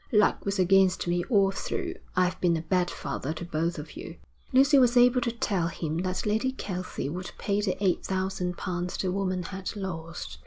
Luck was against me all through. I've been a bad father to both of you.' Lucy was able to tell him that Lady Kelsey would pay the eight thousand pounds the woman had lost.